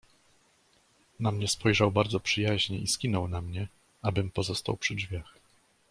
"Na mnie spojrzał bardzo przyjaźnie i skinął na mnie, abym pozostał przy drzwiach."